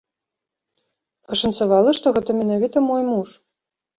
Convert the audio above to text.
Пашанцавала, што гэта менавіта мой муж.